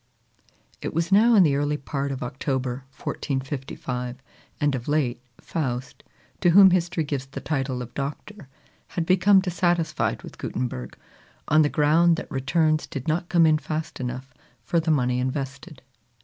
It was now in the early part of October, 1455; and of late, Faust, to whom history gives the title of Doctor, had become dissatisfied with Gutenberg, on the ground that returns did not come in fast enough for the money invested.